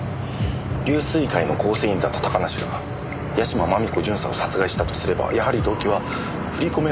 龍翠会の構成員だった高梨が屋島真美子巡査を殺害したとすればやはり動機は振り込め